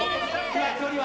今距離は？